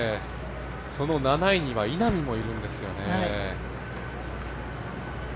その７位には稲見もいるんですね。